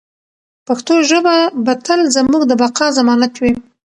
پښتو ژبه به تل زموږ د بقا ضمانت وي.